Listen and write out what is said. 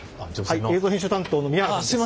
映像編集担当の宮原です。